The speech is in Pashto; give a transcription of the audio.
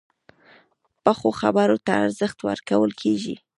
پخو خبرو ته ارزښت ورکول کېږي